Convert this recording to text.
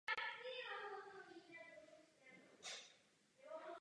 To se týká také sociálního fondu.